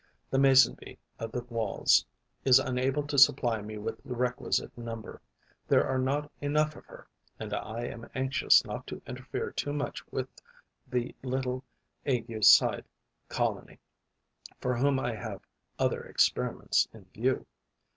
The Mason bee of the Walls is unable to supply me with the requisite number: there are not enough of her; and I am anxious not to interfere too much with the little Aygues side colony, for whom I have other experiments in view.